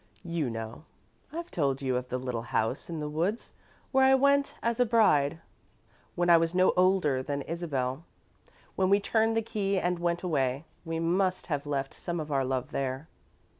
"You know. I've told you of the little house in the woods where I went as a bride, when I was no older than Isabel. When we turned the key and went away, we must have left some of our love there.